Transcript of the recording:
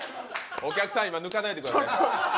お客さん、抜かないでください。